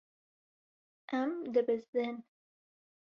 Em dibizdin.